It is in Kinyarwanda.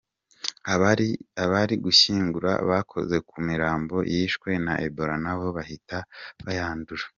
Abari bari gushyingura bakoze ku mirambo yishwe na Ebola nabo bahita bayandura.